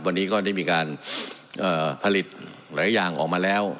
วันนี้ก็ได้มีการผลิตหลายอย่างออกมาแล้ว